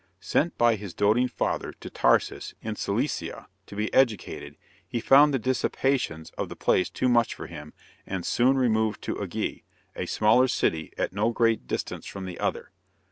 Sent by his doting father to Tarsus, in Cilicia, to be educated, he found the dissipations of the place too much for him, and soon removed to Ægæ, a smaller city, at no great distance from the other.